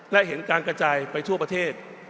และเห็นการกระจายไปทั่วประเทศ